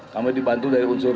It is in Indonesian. kami dibantu dari unsur